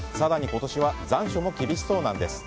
今年は残暑も厳しそうなんです。